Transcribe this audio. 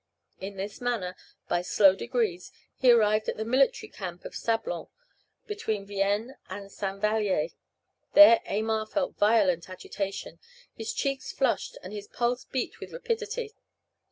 In this manner, by slow degrees, he arrived at the military camp of Sablon, between Vienne and Saint Valier. There Aymar felt violent agitation, his cheeks flushed, and his pulse beat with rapidity.